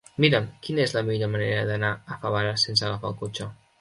Mira'm quina és la millor manera d'anar a Favara sense agafar el cotxe.